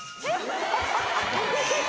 えっ？